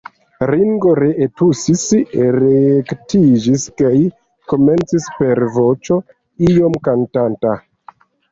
Ringo ree tusis, rektiĝis kaj komencis per voĉo iom kantanta.